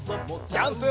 ジャンプ！